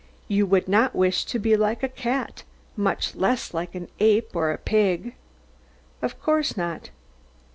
You would not wish to be like a cat, much less like an ape or a pig? Of course not.